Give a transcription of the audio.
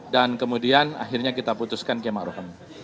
dan kemudian akhirnya kita putuskan kiai maruf